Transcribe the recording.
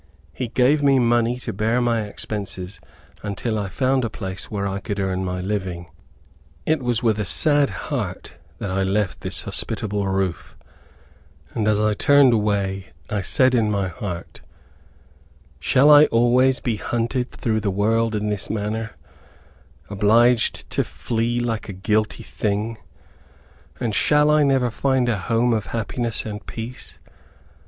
He gave me money to bear my expenses, until I found a place where I could earn my living. It was with a sad heart that I left this hospitable roof, and as I turned away I said in my heart, "Shall I always be hunted through the world in this manner, obliged to flee like a guilty thing, and shall I never find a home of happiness and peace?